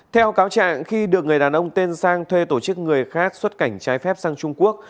theo cáo trạng khi được người đàn ông tên sang thuê tổ chức người khác xuất cảnh trái phép sang trung quốc